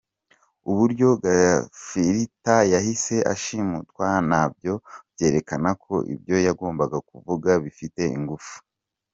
-Uburyo Gafirita yahise ashimutwa nabyo byerekana ko ibyo yagombaga kuvuga bifite ingufu